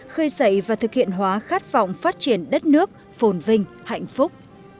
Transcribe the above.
khơi dậy và thực hiện hóa khát vọng phát triển đất nước phồn vinh hạnh phúc